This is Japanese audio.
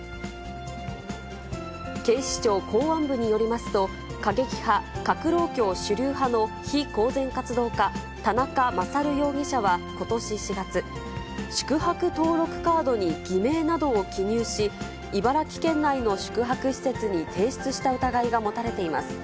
警視庁公安部によりますと、過激派革労協主流派の非公然活動家、田中優容疑者はことし４月、宿泊登録カードに偽名などを記入し、茨城県内の宿泊施設に提出した疑いが持たれています。